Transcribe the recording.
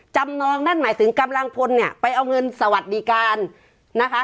นองนั่นหมายถึงกำลังพลเนี่ยไปเอาเงินสวัสดิการนะคะ